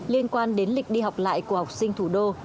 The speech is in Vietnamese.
liên quan đến lịch đi học lại của học sinh thủ đô